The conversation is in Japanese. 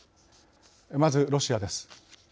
まずロシアです。